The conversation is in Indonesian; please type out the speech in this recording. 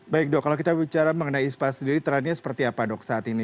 baik dok kalau kita bicara mengenai ispa sendiri trendnya seperti apa dok saat ini